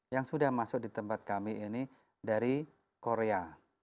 yang sudah masuk di tempat kami ini dari korea